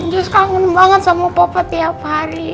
jess kangen banget sama papa tiap hari